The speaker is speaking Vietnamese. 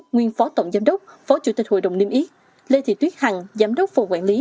nguyên phó tổng giám đốc phó chủ tịch hội đồng niêm yết lê thị tuyết hằng giám đốc phòng quản lý